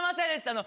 あの